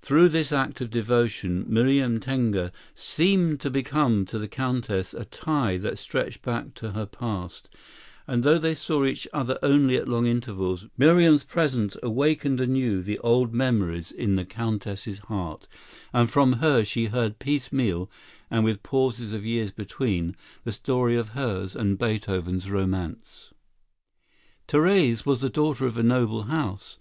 Through this act of devotion Miriam Tenger seemed to become to the Countess a tie that stretched back to her past, and though they saw each other only at long intervals, Miriam's presence awakened anew the old memories in the Countess's heart, and from her she heard piecemeal, and with pauses of years between, the story of hers and Beethoven's romance. Therese was the daughter of a noble house.